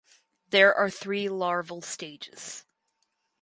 There are three larval stages.